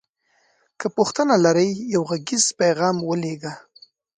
که پوښتنه لری یو غږیز پیغام ولیږه